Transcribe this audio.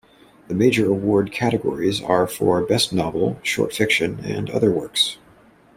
The major award categories are for best Novel, Short fiction, and Other works.